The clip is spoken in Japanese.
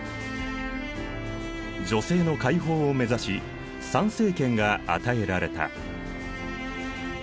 女性の解放を目指し参政権が与えられた。